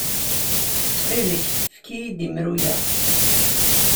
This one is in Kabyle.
Ttxil-k, efk-iyi-d imru-a.